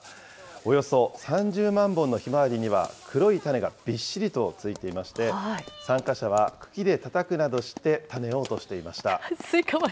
およそ３０万本のひまわりには、黒い種がびっしりとついていまして、参加者は茎でたたくなどして種を落としていました。